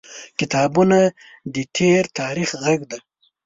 • کتابونه د تیر تاریخ غږ دی.